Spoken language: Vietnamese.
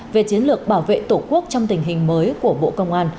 về chiến lược bảo vệ tổ quốc trong tình hình mới của bộ công an